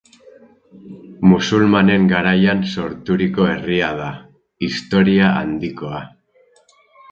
Musulmanen garaian sorturiko herria da, historia handikoa.